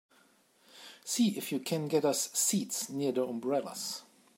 See if you can get us seats near the umbrellas.